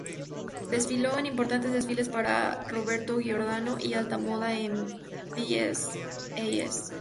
Desfiló en importantes desfiles para Roberto Giordano y Alta Moda en Bs As.